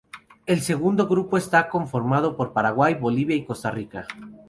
El segundo grupo está conformado por Paraguay, Bolivia y Costa Rica.